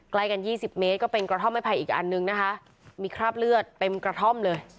ใกล้กันยี่สิบเมตรก็เป็นกระท่อมไม้ไผ่อีกอันนึงนะคะมีคราบเลือดเต็มกระท่อมเลย